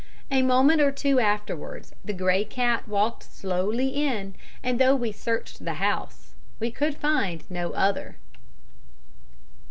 A moment or two afterwards the grey cat walked slowly in, and though we searched the house, we could find no other.